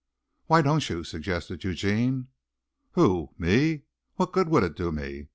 "Why don't you?" suggested Eugene. "Who? me? What good would it do me?